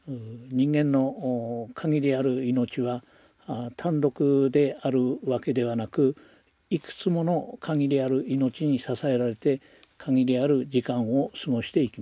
人間の限りある命は単独であるわけではなくいくつもの限りある命に支えられて限りある時間を過ごしていきます。